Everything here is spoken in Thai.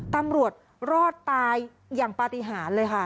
ตำรวจรอดตายอย่างปฏิหารเลยค่ะ